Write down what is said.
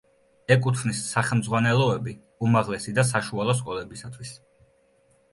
ეკუთვნის სახელმძღვანელოები უმაღლესი და საშუალო სკოლებისათვის.